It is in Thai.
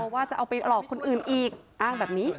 ว่าจะเอาไปหลอกคนอื่นอีกอ้างแบบนี้